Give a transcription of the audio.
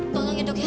bangangnya dok ya